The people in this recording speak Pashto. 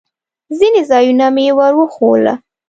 ځینې ځایونه مې ور وښوول.